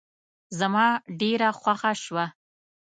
زما ډېره خوښه شوه.